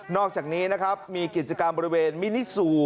อกจากนี้นะครับมีกิจกรรมบริเวณมินิซู